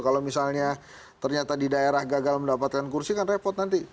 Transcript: kalau misalnya ternyata di daerah gagal mendapatkan kursi kan repot nanti